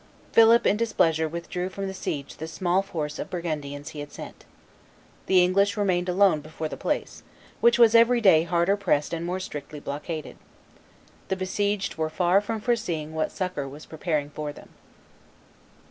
Philip in displeasure withdrew from the siege the small force of Burgundians he had sent. The English remained alone before the place, which was every day harder pressed and more strictly blockaded. The besieged were far from foreseeing what succor was preparing for them.